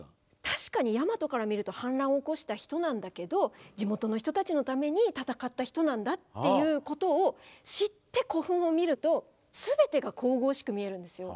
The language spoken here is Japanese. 確かにヤマトからみると反乱を起こした人なんだけど地元の人たちのために戦った人なんだっていうことを知って古墳を見ると全てが神々しく見えるんですよ。